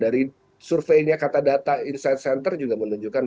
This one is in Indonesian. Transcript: dari surveinya kata data insight center juga menunjukkan